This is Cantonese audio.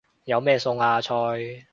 有咩餸啊？菜